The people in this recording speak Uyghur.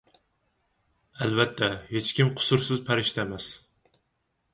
ئەلۋەتتە، ھېچكىم قۇسۇرسىز پەرىشتە ئەمەس.